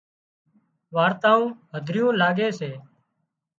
وارتائون هڌريون لاڳي سي